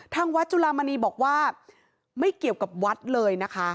ทางวัดจุลามณีบอกว่าไม่เกี่ยวกับวัดเลยนะคะ